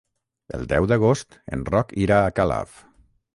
El deu d'agost en Roc irà a Calaf.